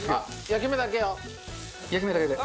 焼き目だけで。